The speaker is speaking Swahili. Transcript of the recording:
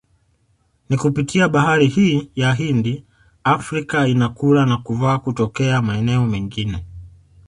Ni kupitia bahari hii ya Hindi Afrika inakula na kuvaa kutokea maeneo mengine